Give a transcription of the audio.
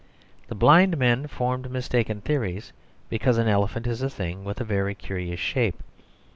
The blind men formed mistaken theories because an elephant is a thing with a very curious shape.